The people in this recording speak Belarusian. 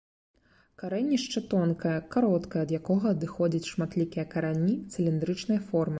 Карэнішча тонкае, кароткае ад якога адыходзяць шматлікія карані цыліндрычнай формы.